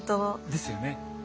ですよね。